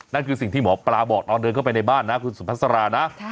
นั่นคือสิ่งที่หมอปลาบอกตอนเดินเข้าไปในบ้านนะคุณสุภาษานะ